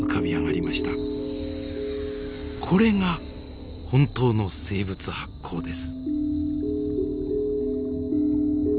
これが本当の生物発光です。